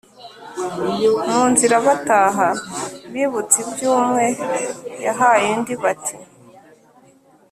Mu nzira bataha, bibutse ibyo umwe yahaye undi bati: